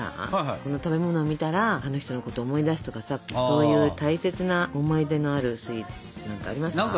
この食べ物を見たらあの人のこと思い出すとかさそういう大切な思い出のあるスイーツ何かありますか？